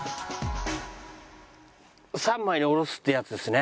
三枚におろすってやつですね。